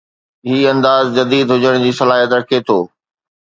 هي انداز جديد هجڻ جي صلاحيت رکي ٿو